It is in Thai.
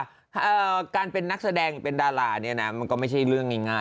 อย่างเชื่อต่างจากนักศัดแสดงและดาราก็ไม่ได้เล่าง่ายเหมือนกันนะ